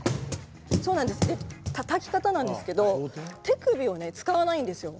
たたき方なんですけれど手首を使わないんですよ。